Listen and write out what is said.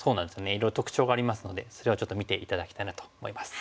いろいろ特徴がありますのでそれをちょっと見て頂きたいなと思います。